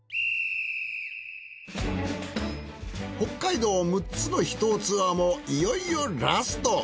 北海道６つの秘湯ツアーもいよいよラスト！